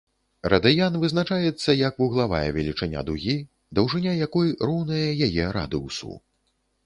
Радыян вызначаецца як вуглавая велічыня дугі, даўжыня якой роўная яе радыусу.